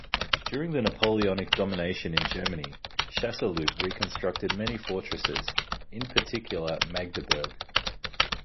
During the Napoleonic domination in Germany, Chasseloup reconstructed many fortresses, in particular Magdeburg.